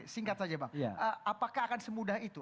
singkat saja bang apakah akan semudah itu